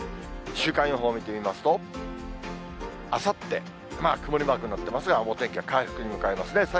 週間予報を見てみますと、あさって曇りマークになってますが、お天気は回復に向かいますね。